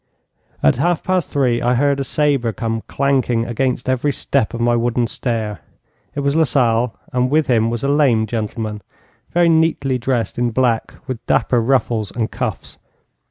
At half past three I heard a sabre come clanking against every step of my wooden stair. It was Lasalle, and with him was a lame gentleman, very neatly dressed in black with dapper ruffles and cuffs.